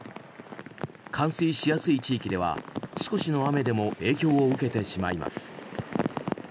冠水しやすい地域では少しの雨でも影響を受けてしまいます。